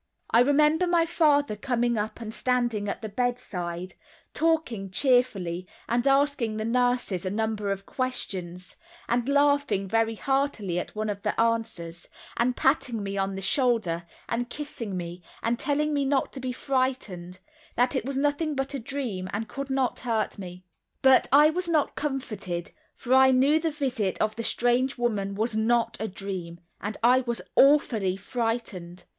I remember my father coming up and standing at the bedside, and talking cheerfully, and asking the nurse a number of questions, and laughing very heartily at one of the answers; and patting me on the shoulder, and kissing me, and telling me not to be frightened, that it was nothing but a dream and could not hurt me. But I was not comforted, for I knew the visit of the strange woman was not a dream; and I was awfully frightened.